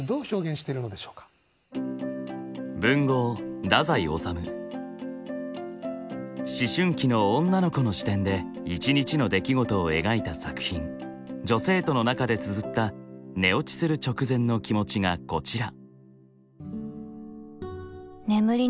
文豪思春期の女の子の視点で１日の出来事を描いた作品「女生徒」の中でつづった寝落ちする直前の気持ちがこちら。